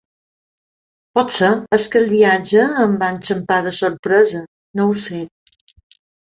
Potser és que el viatge em va enxampar de sorpresa, no ho sé.